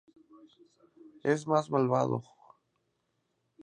Es más malvado.